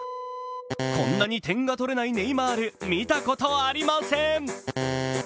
こんなに点が取れないネイマール見たことありません。